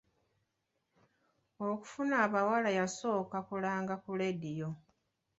Okufuna abawala yasooka kulanga ku leediyo.